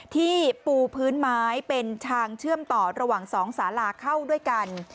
ที่ปูพื้นไม้เป็นทางเชื่อมต่อระหว่าง๒สาลาเข้าด้วยกัน